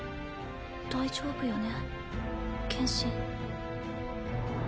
大丈夫よね剣心。